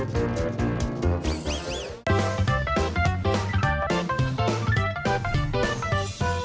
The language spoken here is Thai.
โปรดติดตามตอนต่อไป